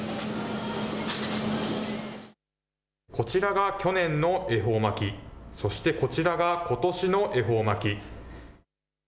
こちらが去年の恵方巻き、そしてこちらがことしの恵方巻き。